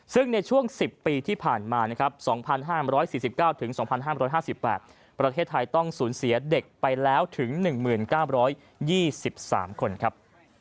ซึ่งในช่วง๑๐ปีที่ผ่านมานะครับ๒๕๔๙๒๕๕๘ประเทศไทยต้องสูญเสียเด็กไปแล้วถึง๑๙๒๓คนครับ